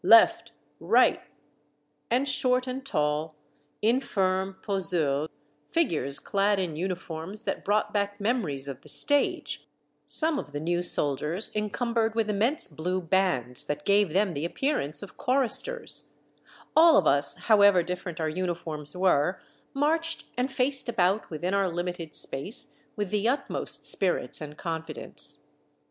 left, right !" and short and tall, infirm, poseurs, figures clad in uniforms that brought back memories of the stage, some of the new soldiers encumbered with immense blue bands that gave them the appearance of choristers, — all of us, however dif ferent our uniforms were, marched and faced about within our limited space with the utmost spirits and confidence.